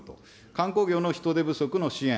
観光業の人手不足の支援。